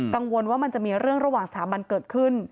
กังวลว่ามันจะมีเรื่องระหว่างสถาบันเกิดขึ้น